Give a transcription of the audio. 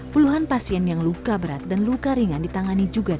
puluhan pasien yang luka berat dan luka ringan ditangani juga di tempat ini